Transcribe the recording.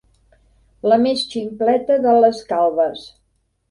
La més ximpleta de les calbes.